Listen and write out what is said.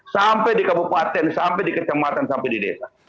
sampai di kabupaten sampai di kecamatan sampai di desa